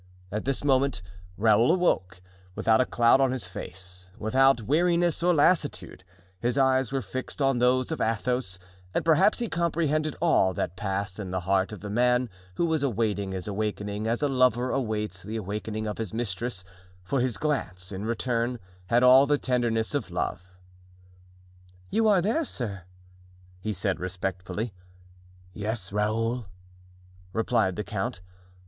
At this moment Raoul awoke, without a cloud on his face without weariness or lassitude; his eyes were fixed on those of Athos and perhaps he comprehended all that passed in the heart of the man who was awaiting his awakening as a lover awaits the awakening of his mistress, for his glance, in return, had all the tenderness of love. "You are there, sir?" he said, respectfully. "Yes, Raoul," replied the count.